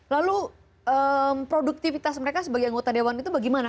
lalu produktivitas mereka sebagai anggota dewan itu bagaimana